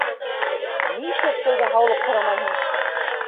— Ни эшләп тәүҙә һаулыҡ һорамайһың?